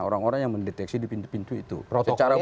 orang orang yang mendeteksi di pintu pintu itu secara umum